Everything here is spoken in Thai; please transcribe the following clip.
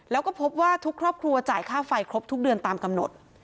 แล้วก็พบว่าทุกครอบครัวจ่ายค่าไฟครบทุกเดือนตามกำหนด